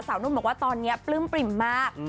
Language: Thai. หนุ่มบอกว่าตอนนี้ปลื้มปริ่มมาก